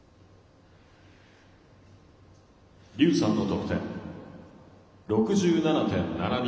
リュウさんの得点、６７．７２。